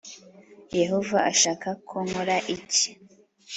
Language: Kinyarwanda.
Yehova ashaka ko nkora iki